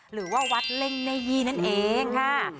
หรือว่าวัดเล่งแม่ยี่นั่นเองค่ะ